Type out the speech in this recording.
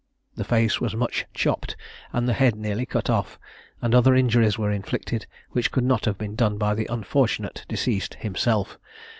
The face was much chopped, and the head nearly cut off, and other injuries were inflicted, which could not have been done by the unfortunate deceased himself.